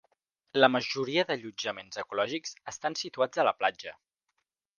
La majoria d'allotjaments ecològics estan situats a la platja.